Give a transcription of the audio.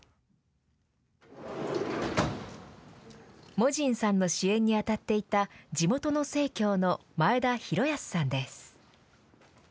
モジンさんの支援に当たっていた地元の生協の前田裕保さんです。